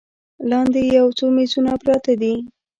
لاندې یو څو میزونه پراته دي.